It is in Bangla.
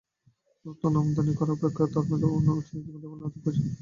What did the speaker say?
নূতন ধর্মমত আমদানী করা অপেক্ষা ধর্মের শিক্ষা অনুযায়ী জীবনযাপনই অধিক প্রয়োজনীয়।